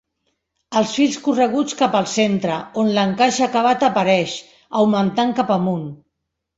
Els fils correguts cap al centre, on l'encaix acabat apareix, augmentant cap amunt.